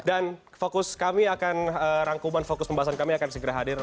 dan fokus kami akan rangkuman fokus pembahasan kami akan segera hadir